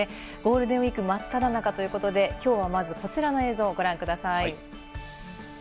ゴールデンウイークまっただ中ということで、まずは、こちらの映像をご覧ください。